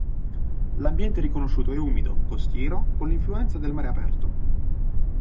L'ambiente riconosciuto è umido costiero con l'influenza del mare aperto.